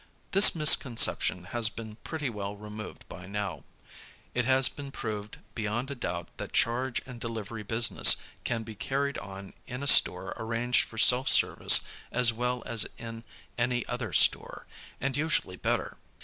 This misconception has been pretty well removed by now. It has been proved beyond a doubt that charge and delivery business can be carried on in a store arranged for self service as well as in any other store, and usually better.